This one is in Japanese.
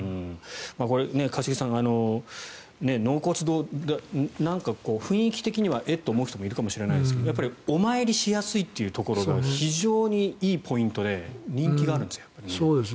これ、一茂さん、納骨堂なんか、雰囲気的にはえっ？と思う人もいるかもしれませんがやっぱりお参りしやすいというところが非常にいいポイントで人気があるんですね。